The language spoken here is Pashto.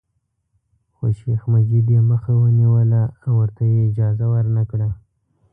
خو شیخ مجید یې مخه ونیوله او ورته یې اجازه ورنکړه.